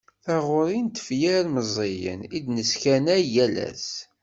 Taɣuri n tefyar meẓẓiyen i d-nesskanay yal ass.